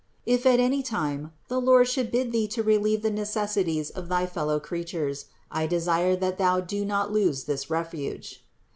If at any time the Lord should bid thee to relieve the necessities of thy fellow creatures, I desire that thou do not lose this refuge.